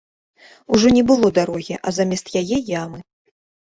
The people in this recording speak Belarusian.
Ужо не было дарогі, а замест яе ямы.